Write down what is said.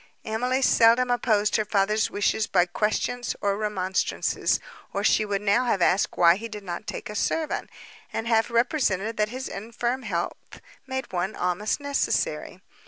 Emily seldom opposed her father's wishes by questions or remonstrances, or she would now have asked why he did not take a servant, and have represented that his infirm health made one almost necessary.